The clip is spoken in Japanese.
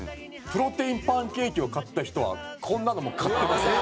「プロテインパンケーキを買った人はこんなのも買ってます」。